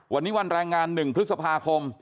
วันนี้วันแรงงาน๑พฤษภาคม